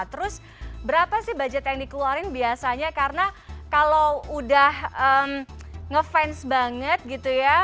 terus berapa sih budget yang dikeluarin biasanya karena kalau udah ngefans banget gitu ya